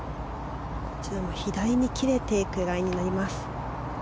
左に切れていくラインになります。